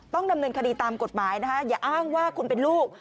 ต้องดำเนินคดีตามกฎหมายนะคะอย่าอ้างว่าคุณเป็นลูก